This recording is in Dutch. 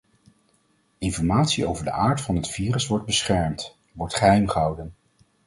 Informatie over de aard van het virus wordt beschermd, wordt geheimgehouden.